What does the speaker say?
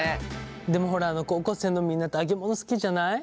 でもほら高校生のみんなって揚げ物好きじゃない？